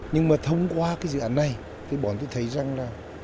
nhưng mà thông qua cái dự án này thì bọn tôi thấy rằng là